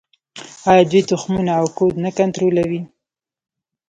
آیا دوی تخمونه او کود نه کنټرولوي؟